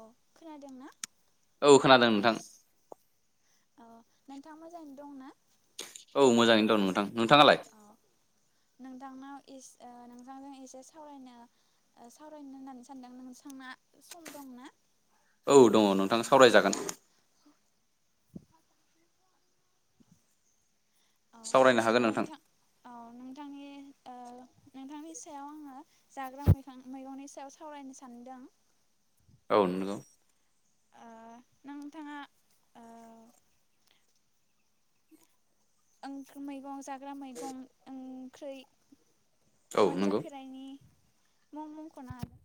अ खोनादों ना? औ खोनादों नोंथां औ नोंथाङा मोजाङै दंना? औ मोजाङै दं नोंथां नोंथाङालाय? औ नोंथांनाव इस ओ नोंथांजों एसे सावनो सावरायनो होननानै सानदों नोंसांना सम दंना? औ दङ नोंथां सावरायजागोन औ सावरायनो हागोन नोंथां औ नोंथांनि ओ नोंथांनि सायाव आङो जाग्रा बिफां मैगंनि सायाव सावरायनो सानदों औ नोंगौ ओ नों नोंथाङा ओ आं मैगं जा हाग्रा मैगं ओं ख्रै। औ नंगौ मोनजाफेरनायनि मुं मख'नो हा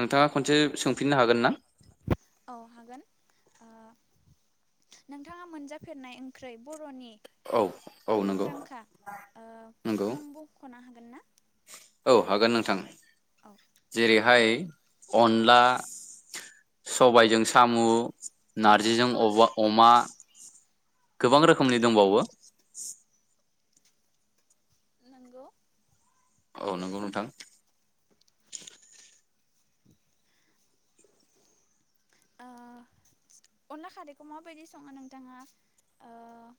नोंथाङा खनसे सोंफिननो हागोन ना? औ हागोन ओ नोंथाङा मोनजाफेरनाय ओंख्रै बर'नि औ औ नंगौ मुंदांखा ओ नंगौ मुं बख'ना औ हागोन नोंथां। औ जेरैहाय अनला सबायाइजों साम' औ नार्जिजों नंगौ अबा अमा गोबां रोखोमनि दंबावो नंगौ। औ नंगौ नोंथां। [inaudible] ओ अनला खारैखौ माबायदि सङो नोंथाङा ओ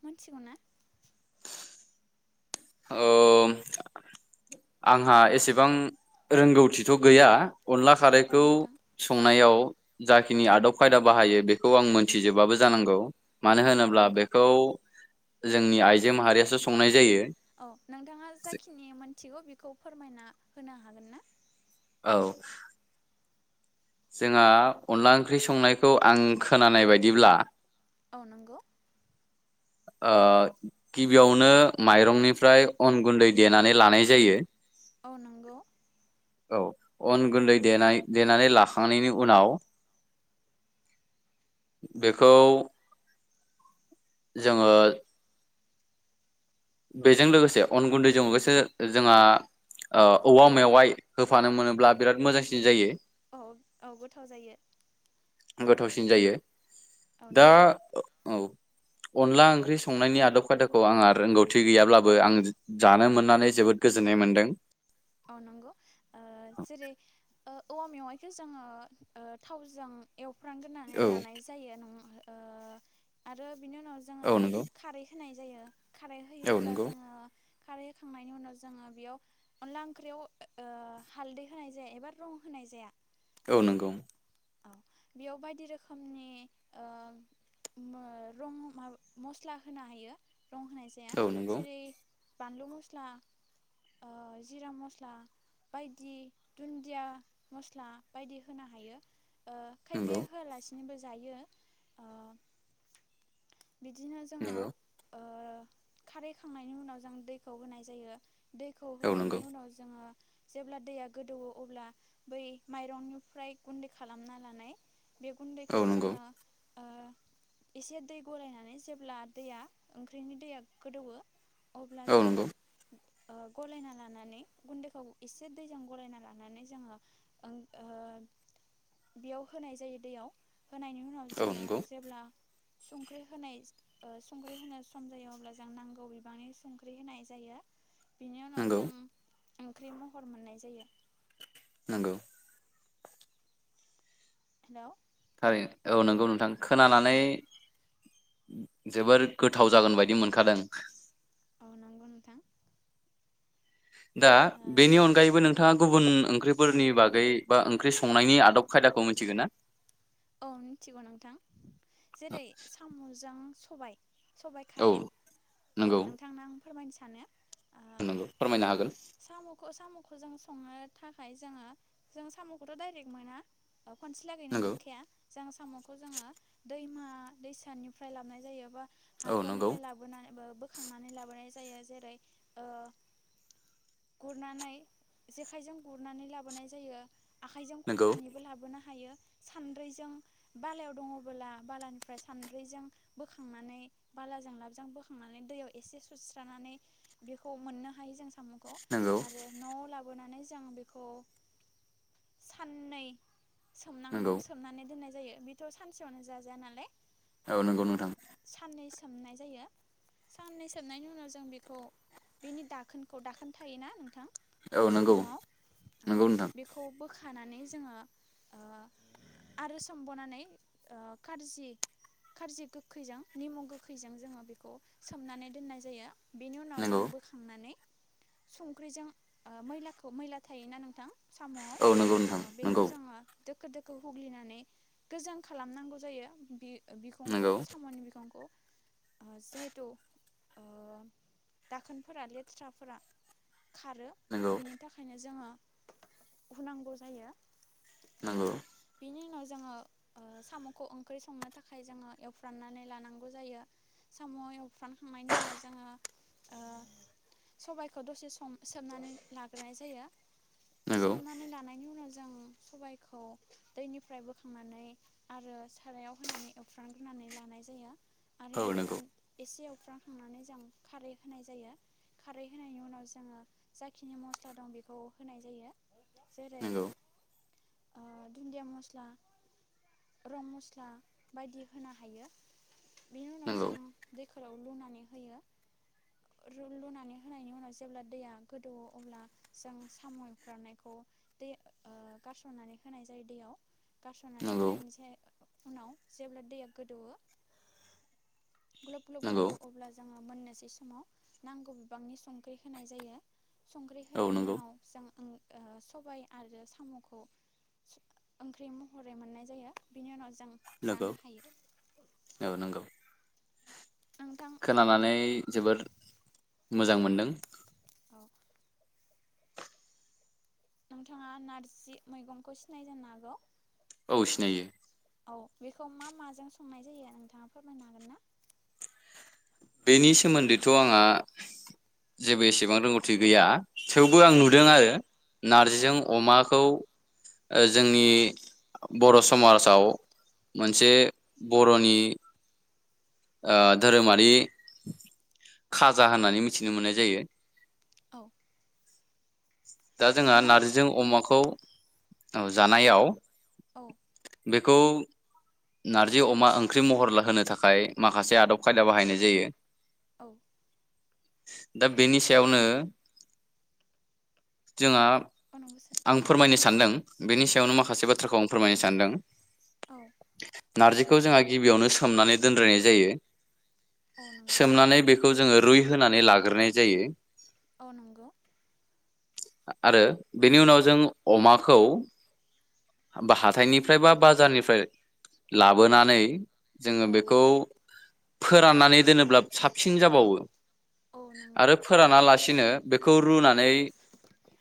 मिथिगौ ना? ओ आंहा एसेबां रोंगौथिथ' गैया। अनला औ खारैखौ नोंथां संनायाव जाखिनि आदब खायदा बाहायो बेखौ आं मोनथिजोबाबो जानांगौ। मानो औ होनोब्ला नंगौ बेखौ जोंनि आइजो माहारियासो संनाय जायो। औ नोंथाङा जाखिनि मोनथिगौ बे खौ फोरमायना होनो हागोन ना। औ। जोंहा अनला ओंख्रि संनायखौ आं खोनानाय बदिब्ला अ नंगौ। ओ गिबियावनो माइरंनिफ्राय अन गुन्दै देनानै लानाय जायो। औ नंगौ। औ अन गुन्दै देनाय देनानै ला खांनायनि उनाव बेखौ जोङो बेजों लोगोसे अन गुन्दैजों गोसो जोंहा ओ औवा मेवाइ होफानो मोनोब्ला बिराद मोजांसिन जायो। औ औ गोथाव जायो। गोथावसिन जायो। औ दा नंगौ औ। अनला ओंख्रि संनायनि आदब खायदाखौ आंहा रोंगौ थि गैयाब्लाबो आं जानो मोननानै जोबोद गोजोननाय मोनदों। औ नंगौ जेरै औवा मेवाइखौ जोङो ओ थावजों एवफ्रामग्रोनानै औ लानाय जायो नङा ओ आरो बिनि उनाव जोङो औ नंगौ खारै होनाय जायो खारै औ होयोब्ला नंगौ जोङो खारै होखांनायनि उनाव जोङो बेयाव अनला ओंख्रियाव ओ हालदै होनाय जाया एबा रं होनाय जाया औ नंगौ बेयाव बायदि रोखोमनि ओ रं माब-मस्ला होनो हायो। रं होनाय जाया औ नंगौ जेरै बानलु मस्ला ओ जिरा मस्ला बायदि दुन्दिया मस्ला बायदि होनो हायो। ओ नंगौ खायफाया होआलासे बो जायो ओ बिदिनो जोङो नंगौ ओ खारै खांनायनि उनाव जों दैखौ होनाय जायो। दैखौ औ नंगौ औ होनायनि नंगौ उनाव जोङो जेब्ला दैया गोदौयो अब्ला बै माइरंनिफ्राय गुन्दै खालामना लानाय बे औ गुन्दैखौ नंगौ जोङो ओ एसे दै गलायनानै जेब्ला दैया ओंख्रिनि दैया गोदौङो अब्ला जोङो ओ गलायना लानानै गुन्दैखौ एसे दैजों गलायना लानानै जोङो ओं बेयाव होनाय जायो दैयाव। होनायनि उनाव औ जोङो नंगौ जेब्ला संख्रि होनाय जो ओ संख्रि होनो सम जायो अब्ला जों नांगौ बिबांनि संख्रि होनाय जायो। बिनि उनाव नंगौ जों ओंख्रि महर मोननाय जायो। नंगौ। हेलौ थारैनो औ नंगौ नोंथां। खोनानानै औ जोबोर गोथाव जागोन बायदि मोनखादों। औ नंगौ नोंथां दा ओ बेनि अनगायैबो नों नोंथाङा गुबुन ओंख्रिफोरनि बागै बा ओंख्रि संनायनि आदब खायदाखौ मिथिगौ ना? औ मिथिगौ नोंथां जेरै साम'जोंं सबाय। सबाय औ खारै ओ नोंथांनां फोरमायनो सानो ओ नंंगौ फोरमायनो हागोन। खौ जों संनो थाखाय जोङो जों साम'खौथ' डाइरेक्ट मोना। औ खनसे लागैनो नंगौ मोनखाया। जों साम'खौ जोङो दैमा दैसानिफ्राय लानाय जायो‌ एबा औ नंगौ हाखरनिफ्राय लाबोनानैबो बोखांनानै लाबोनाय जायो जेरै ओ गुरनानै जेखाइजों गुरनानै लाबोनाय जायो। आखाइजों नंगौ खननानैबो लाबोनो हा। हायो सान सानद्रैजों बालायाव दङबोला बालानिफ्राय सानद्रिजों बोखांनानै बालाजों लाबजों बोखांनानै दैयाव एसे सुस्रानानै बेखौ मोननो हायो जों सामु खौ नंगौ आरो न'आव लाबोनानै ज मोजां बेखौ साननै नंगौ सोमनां दोननाय जायो बेथ' सानसेयावनो जाजाया नालाय। ओ औ नंगौ नोंथां। साननै सोमनाय जायो साननै सोमनायनि उनाव जों बेखौ बिनि दाखोनखौ दाखोन थायोना नोंथां। औ नंगौ साम'आव औ नंगौ नोंथां बेखौबो खानानै जोङो ओ आरो सोमबावनानै ओ खारजि खारजि गोखैजों निमु गोखैजों जोङो बेखौ सोमनानै दोननाय जायो। बेनि उनाव जों नंगौ बोखांनानै संख्रिजों ओ मैलाखौ मैला थायोना नोंथां। साम'आव औ नंगौ नोंथां बेखौ नंगौ जोङो दोखो दो खो हुग्लिनानै गोजों खालामनांगौ जायो बे बिखंखौ नंगौ साम'नि बिखंखौ ओ जिहेथु ओ दाखोनफोरा लेथ्राफोरा खारो नंगौ बिनि थाखायनो जोङो हुनांगौ जायो। नंगौ। बेनि उनाव जोङो ओ सामखौ ओंख्रि संनो थाखाय जोङो एवफ्राननानै लानांगौ जायो साम एवफ्रानखांनायनि उनाव जोङो ओ सबायखौ दसे सम सोमनानै लाग्रोनाय जायो नंगौ सोमनानै लानायनि उनाव जों सबायखौ दैनिफ्राय बोखांनानै आरो सारायाव होनानै एवफ्रानग्रोनानै लानाय जायो औ [inaudible] नंगौ एउफ्रानखांनानै जों खारै होनाय जायो खारै जेरै नंगौ धोन्दिया मस्ला रं मस्ला बायदि होनो हायो बेनि उनाव जों नंगौ गोलाव लुनानै होयो थु लुनानै रदैयाव नंगौ गारसननानै होनायनिसाय उनाव जेब्ला दैया गोदौओ ग्लब ग्लब गोदौओ अब्ला जोङो मोननोसै समाव नांगौ बिबांनि संख्रि होनाय जायो संख्रि औ होनायनि नंगौ उनाव जों ओं ओह सबाय आरो सामखौ ओंख्रि महरै मोननाय जायो बिनि उनाव जों नंगौ जानो हायो औ नंगौ नोंथां खोनानानै उम जोबोर मोजां मोनदों औ नोंथाङा नारजि मैगंखौ सिनायो जानो हागौ औ सिनायो औ बेखौ मा माजों संनाय जायो नोंथाङा फोरमायनो हागोन ना बेनि सोमोन्दैथ आंहा जेबो एसेबां रोंगौथि गैया थेवबो आं नु खाजा होननानै मिथिनो मोननाय जायो औ दा जोंहा नारजि नारजिजों अमाखौ औ जानायाव औ बे खौ नार्जि अमा ओंख्रि महर लाहोनो थाखाय माखासे आदब खायदा बाहायनाय जायो औ दा बेनि सायावनो जोंहा औ नंगौ सार आं नंगौ फोरमायनो सानदों बेनि सायावनो औ माखासे बाथ्राखौ आं फोरमायनसै सान्दों औ नारजिखौ जोंहा गिबियावनो सोमनानै दोनद्रायनाय जायो औ नंगौ सोमनानै बेखौ जोङो रुइ होनानै लाग्रोनाय जायो अ नंगौ। आरो बेनि उनाव जों अमाखौ बा हाथायनिफ्रायबा बाजारनिफ्राय लाबोनानै जोंङो औ बेखौ फोराननानै दोनोब्ला साबसिन जाबावो औ नंगौ आरो फोरानालासिनो बेखौ रुनानै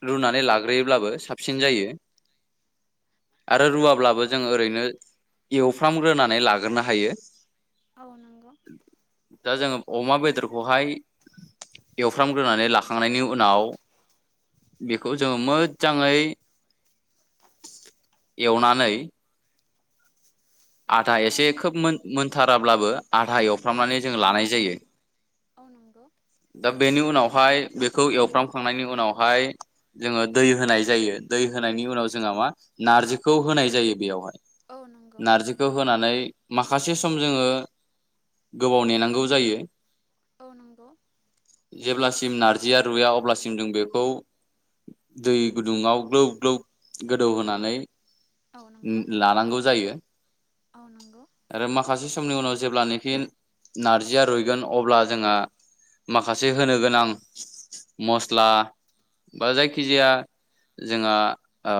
रुनानै लाग्रोयोब्लाबो साबसिन जायो आरो रुवाब्लाबो जों ओरैनो एवफ्रामग्रोनानै लाग्रोनो हायो औ नंगौ दा जोंङो अमा बेदर खौहाय एवफ्रामग्रोनानै लाखांनायनि उनाव बेखौ जोंङो मोजांङै एवनानै आधा औ एसे खोब मोन मोन थाराब्लाबो आधा औ एवफ्रामनानै जों लानाय जायो औ नंगौ दा बेनि उनाव फाय बेखौ एवफ्रामखांनायनि उनावहाय जोंङो दै होनाय जायो, दै होनायनि उनाव जोंहा मा नारजिखौ होनाय जायो बेयावहाय। औ नंग नारजिखौ होनानै माखासे सम जोंङो गोबाव नेनांगौ जायो। औ नंगौ। सिम नारजिया रुया अब्लासिम जों बेखौ दै गुदुंङाव ग्लोब ग्लोब गोदौ होनानै औ नंगौ उ लानांगौ जायो। औ नंगौ। सम नि उनाव जेब्लानोखि नारजिया रुइगोन अब्ला जोंहा माखासे होनो गोनां मस्ला बा जायखिजाया जोंहा ओ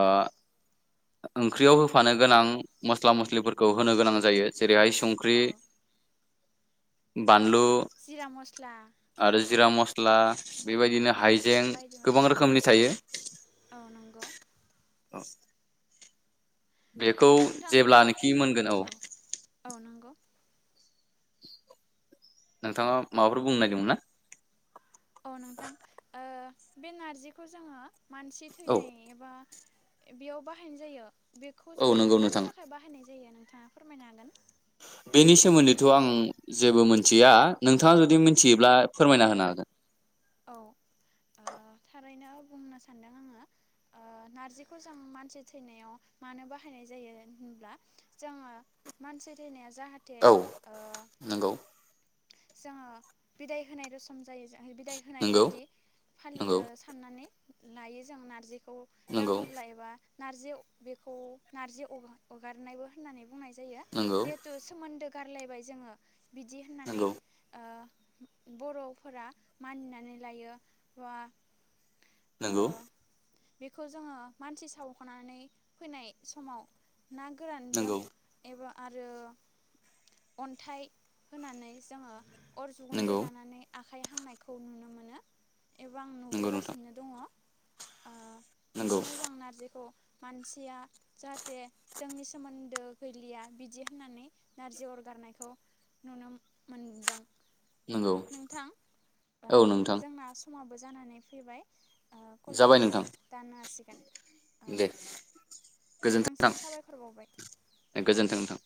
ओंख्रियाव होफानो गोनां मस्ला मस्लिफोरखौ होनो गोनां जायो जेरै हाय स संख्रि औ बानलु जिरा मस्ला औ आरो जिरा मस्ला बेबायदिनो औ हाइजें बायदि गोबां मस्ला औ रोखोमनि थायो। औ नंगौ बेखौ नोंथां बे जेब्लानोखि मोनगोन औ औ नंगौ नोंथांङा माबाफोर बुंनो नागिरदोंमोन ना? औ नोंथां ओ बे नारजिखौ जोंङो मानसि औ थैनाय एबा बेयाव बाहायनाय जायो बेखौ औ जों नंगौ मानि नोंथां थाखाय बाहायनाय जायो नों नोंथांङा फोरमायनो हागोन? बेनि सोमोन्दैथ' आं जेबो मिथिया नोंथांङा जुदि मिथियोब्ला फोरमायना होनो हागोन। औ ओ थारैनो बुंनो सानदों आंङो नारजिखौ जों मानसि थैनायाव मानो बाहायनाय जायो होनब्ला जोंङो मानसि थैनाया जाहाथे औ ओ नंगौ जोंङो बिदाय होनाय रसम जायो जों होनाय नंगौ बायदि फाल नंगौ साननानै लायो जों नारजि खौ नंगौ दांङोब्ला एबा नारजि बेखौ नारजि अरगारनायबो होननानै बुंनाय जायो नंगौ जिहेतु सोमोन्दो गारलायबाय जोंङो बिदि होननानै नंगौ ओ बर'फोरा मानिनानै लायो बा ओ नंगौ। बेखौ जोंङो मानसि सावखांनानै फैनाय समाव ना गोरानजों नंगौ नंगौ एबा आरो अन्थाइ होनानै जोंङो अर जुगुन्दै नंगौ लानानै आ आखाय हांनाय खौ नुनो मोनो एबा आं नोंथां नुबोगासिनो दंङ। ओ नंगौ बिदिनो जों नारजिखौ मानसिया जाहाथे जोंनि सोमोन्दो गैलिया बिदि होननानै नारजि अरगारनायखौ नुनो मोनदों। नंगौ। नोंथां ओ औ नोंथां। जोंना समाबो जानानै फैबाय। ओ कलखौ जाबाय जां नोंथां दान्नो हासिग दे गोजोनथों नोंथांसिम साबायखर बावबाय थां गोजोन्थों नोंथां।